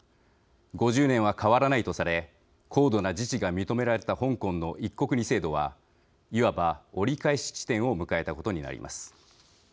５０年は変わらないとされ高度な自治が認められた香港の一国二制度はいわば折り返し地点を迎えたことになります。